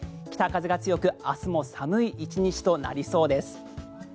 北風が強く明日も寒い１日となりそうです。